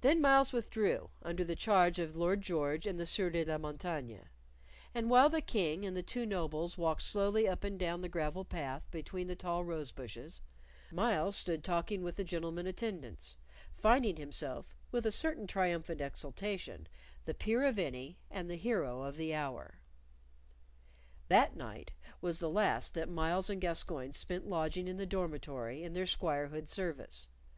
Then Myles withdrew, under the charge of Lord George and the Sieur de la Montaigne and while the King and the two nobles walked slowly up and down the gravel path between the tall rose bushes, Myles stood talking with the gentlemen attendants, finding himself, with a certain triumphant exultation, the peer of any and the hero of the hour. That night was the last that Myles and Gascoyne spent lodging in the dormitory in their squirehood service.